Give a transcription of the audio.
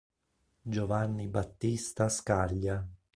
Giovanni Battista Scaglia